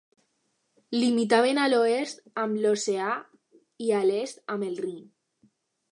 Limitaven a l'oest amb l'oceà i a l'est amb el Rin.